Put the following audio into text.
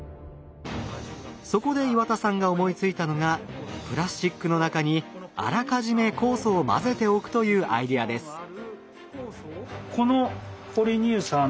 そこで岩田さんが思いついたのがプラスチックの中にあらかじめ酵素を混ぜておくというアイデアです。